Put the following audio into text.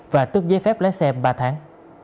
và tước giấy phép lái xe ba tháng